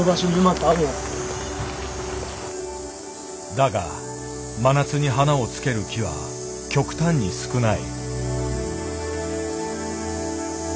だが真夏に花をつける木は極端に少ない。